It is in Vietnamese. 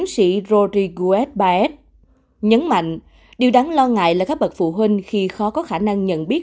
sĩ rodriguet bas nhấn mạnh điều đáng lo ngại là các bậc phụ huynh khi khó có khả năng nhận biết